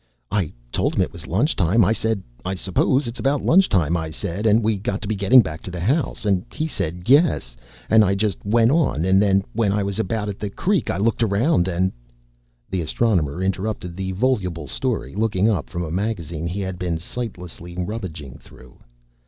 "I told him it was lunch time. I said, 'I suppose it's about lunch time.' I said, 'We got to be getting back to the house.' And he said, 'Yes.' And I just went on and then when I was about at the creek I looked around and " The Astronomer interrupted the voluble story, looking up from a magazine he had been sightlessly rummaging through.